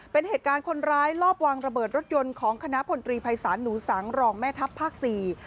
เป็นเหตุการณ์คนร้ายลอบวางระเบิดรถยนต์ของคณะพลตรีภัยศาลหนูสังรองแม่ทัพภาคสี่